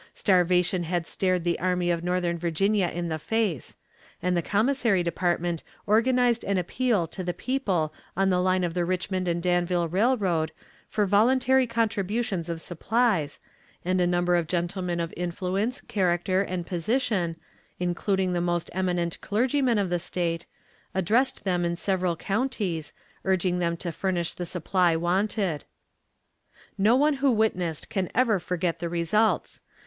Starvation had stared the Army of Northern Virginia in the face; and the commissary department organized an appeal to the people on the line of the Richmond and Danville Railroad for voluntary contributions of supplies, and a number of gentlemen of influence, character, and position, including the most eminent clergymen of the State, addressed them in several counties, urging them to furnish the supply wanted. "No one who witnessed can ever forget the results.